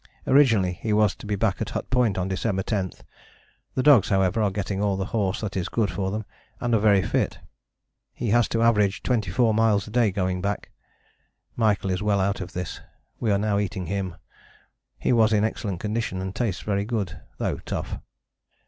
Originally he was to be back at Hut Point on December 10. The dogs, however, are getting all the horse that is good for them, and are very fit. He has to average 24 miles a day going back. Michael is well out of this: we are now eating him. He was in excellent condition and tastes very good, though tough."